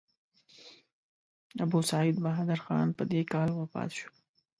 ابوسعید بهادر خان په دې کال وفات شو.